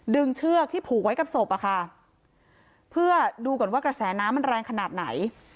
เชือกที่ผูกไว้กับศพอะค่ะเพื่อดูก่อนว่ากระแสน้ำมันแรงขนาดไหน